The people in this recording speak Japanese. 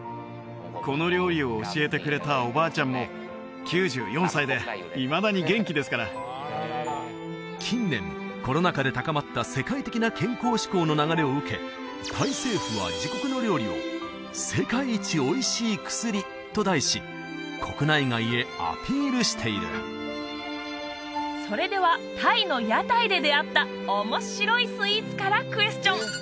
この料理を教えてくれたおばあちゃんも９４歳でいまだに元気ですから近年コロナ禍で高まった世界的な健康志向の流れを受けタイ政府は自国の料理をと題し国内外へアピールしているそれではタイの屋台で出会った面白いスイーツからクエスチョン！